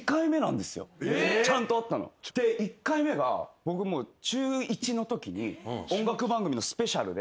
で１回目が僕中１のときに音楽番組のスペシャルで。